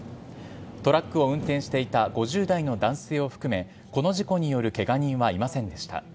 トラックを運転していた５０代の男性を含め、この事故によるけが人はいませんでした。